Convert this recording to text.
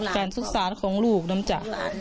การศึกษาของลูกนะจ๊ะ